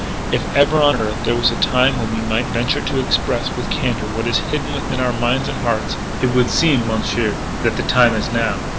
"If ever on earth there was a time when we might venture to express with candour what is hidden within our minds and hearts, it would seem, Monsieur, that the time is now.